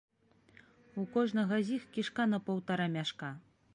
У кожнага з іх кішка на паўтара мяшка.